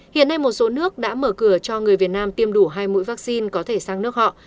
hiện nay một số nước đã mở cửa cho người việt nam tiêm đủ hai mũi vaccine có thể sang nước họ